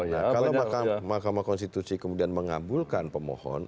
nah kalau mahkamah konstitusi kemudian mengabulkan pemohon